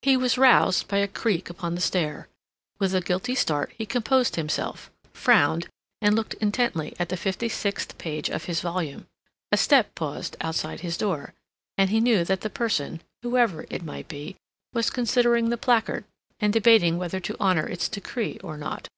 He was roused by a creak upon the stair. With a guilty start he composed himself, frowned and looked intently at the fifty sixth page of his volume. A step paused outside his door, and he knew that the person, whoever it might be, was considering the placard, and debating whether to honor its decree or not.